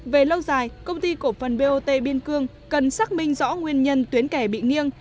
về lâu dài công ty cổ phần bot biên cương cần xác minh rõ nguyên nhân tuyến kè bị nghiêng